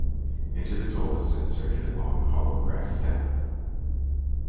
Into this hole is inserted a long hollow grass stem.